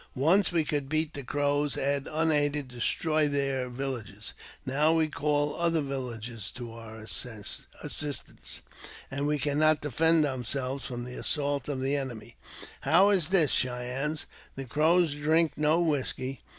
Once we could beat the Crows, and, unaided, destroyed their villages; now we call other villages to our assistance, and we cannot defend ourselves from the assaults of the enemy. How is this, Cheyennes? The Crows drink no whisky.